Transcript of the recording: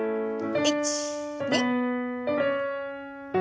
１２。